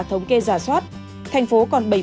thống kê giả soát thành phố còn